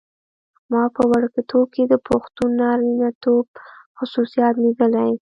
ما په وړکتوب کې د پښتون نارینتوب خصوصیات لیدلي.